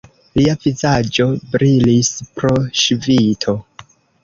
Lia vizaĝo brilis pro ŝvito.